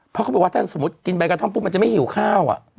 เพราะเขาบอกว่าถ้าสมมุติกินใบกระท่อมปุ๊บมันจะไม่หิวข้าว